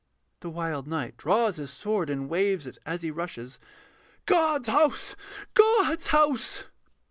THE WILD KNIGHT [draws his sword, and waves it as he rushes]. God's house! God's house!